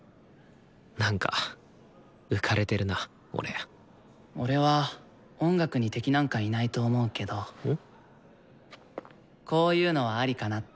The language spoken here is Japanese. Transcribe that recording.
なんか浮かれてるな俺俺は音楽に敵なんかいないと思うけどこういうのはアリかなって。